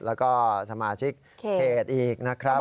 แล้วก็สมาชิกเขตอีกนะครับ